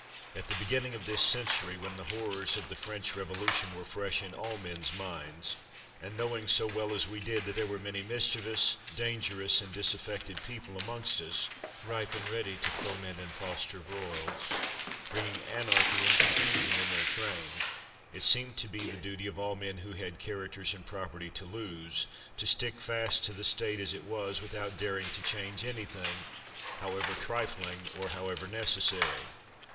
At the beginning of this century, when the horrors of the French Revolution were fresh in all men's minds, and knowing so well as we did that there were many mischievous, dangerous, and disaffected people amongst us, ripe and ready to foment and foster broils, bringing anarchy and confusion in their train, it seemed to be the duty of all men who had characters and property to lose, to stick fast to the state as it was, without daring to change anything, however trifling or however necessary.